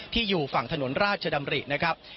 อยู่ฝั่งถนนราชดำรินะครับ